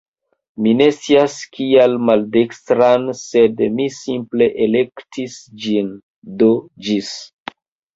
Mi ne scias, kial maldekstran, sed mi simple elektis ĝin. Do ĝis!